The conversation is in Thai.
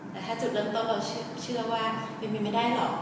แต่ถ้าจุดเริ่มต้นเราเชื่อว่าเป็นไปไม่ได้หรอก